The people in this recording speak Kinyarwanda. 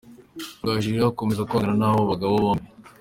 Rugaju rero akomeza kwangana n’abo bagabo bombi.